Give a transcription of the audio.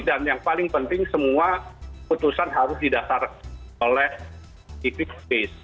dan yang paling penting semua keputusan harus didasarkan oleh civic space